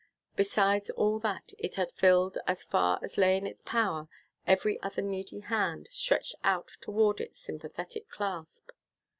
Besides all that, it had filled, as far as lay in its power, every other needy hand, stretched out toward its sympathetic clasp.